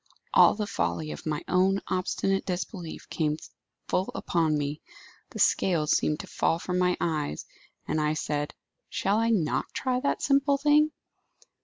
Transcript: All the folly of my own obstinate disbelief came full upon me; the scales seemed to fall from my eyes, and I said, 'Shall I not try that simple thing?